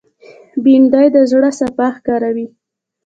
بېنډۍ د زړه صفا ښکاروي